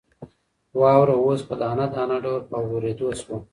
واوره اوس په دانه دانه ډول په اورېدو شوه.